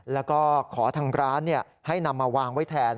แล้วก็ขอทางร้านให้นำมาวางไว้แทน